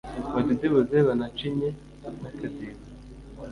Badidibuze banacinye n'akadiho